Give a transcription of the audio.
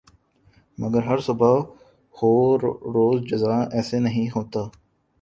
مگر ہر صبح ہو روز جزا ایسے نہیں ہوتا